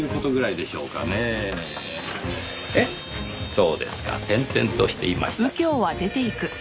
そうですか転々としていましたか。